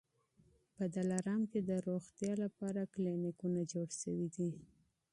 په دلارام کي د روغتیا لپاره کلینیکونه جوړ سوي دي